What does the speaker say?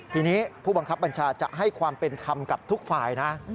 ทีนี้ผู้บังคับบัญชาจะให้ความเป็นธรรมกับทุกฝ่ายนะ